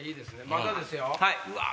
まだですよ。うわ。